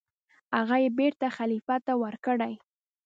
هغه یې بېرته خلیفه ته ورکړې.